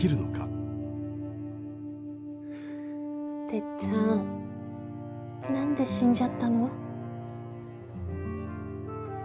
てっちゃん何で死んじゃったの？